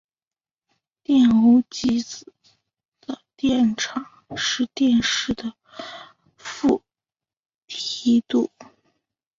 电偶极子的电场是电势的负梯度。